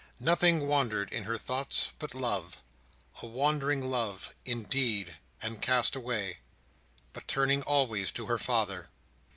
Nothing wandered in her thoughts but love—a wandering love, indeed, and castaway—but turning always to her father.